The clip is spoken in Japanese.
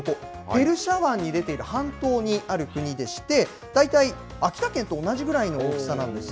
ペルシャ湾に出ている半島にある国でして、大体、秋田県と同じぐらいの大きさなんです。